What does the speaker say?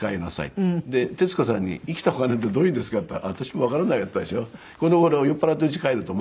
で徹子さんに「生きたお金ってどういうんですか」って言ったら「私もわからない」って言ったでしょ。